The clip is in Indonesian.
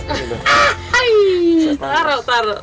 ah aih taruh taruh